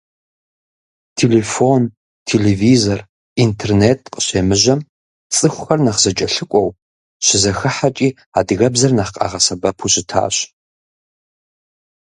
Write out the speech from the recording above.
Телефон, телевизор, интернет къыщемыжьэм, цӀыхухэр нэхъ зэкӀэлъыкӀуэу, щызэхыхьэкӀи адыгэбзэр нэхъ къагъэсэбэпу щытащ.